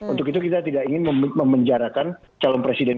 untuk itu kita tidak ingin memenjarakan keadaan